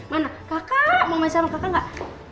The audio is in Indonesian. mana kakak mau main sama kakak enggak